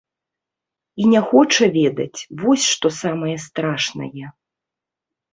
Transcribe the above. І не хоча ведаць, вось што самае страшнае.